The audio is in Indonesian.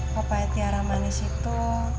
papa tiara manis itu